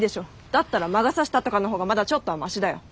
だったら魔が差したとかの方がまだちょっとはマシだよ。